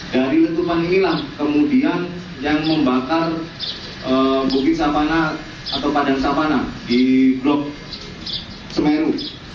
dari letupan inilah kemudian yang membakar bukit sapana atau padan sapana di blok semeru